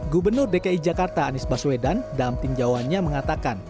gubernur dki jakarta anies baswedan dalam tinjauannya mengatakan